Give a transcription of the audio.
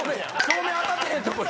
照明当たってへんとこ。